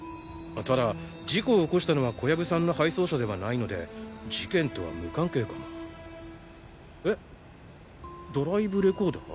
ただ事故を起こしたのは小藪さんの配送車ではないので事件とは無関係かも。え？ドライブレコーダー？